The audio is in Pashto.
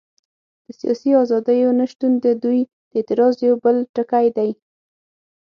د سیاسي ازادیو نه شتون د دوی د اعتراض یو بل ټکی دی.